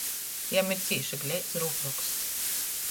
Jam ir cīši gleits rūkroksts.